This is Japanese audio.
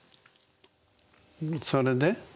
それで？